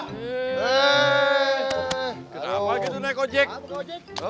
eh kan kalau dia mau ternyata manis kemasin deh